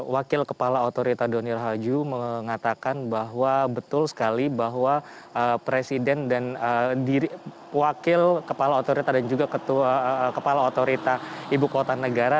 wakil kepala otorita doni rahayu mengatakan bahwa betul sekali bahwa presiden dan wakil kepala otorita dan juga kepala otorita ibu kota negara